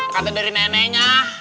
kata dari neneknya